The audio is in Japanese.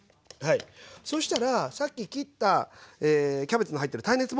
そしたらさっき切ったキャベツの入ってる耐熱ボウル